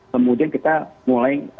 kemudian kita mulai melakukan lagi